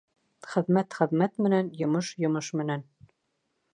Хеҙмәт хеҙмәт менән, йомош йомош менән.